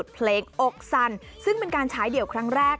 เพลงอกสั่นซึ่งเป็นการฉายเดี่ยวครั้งแรก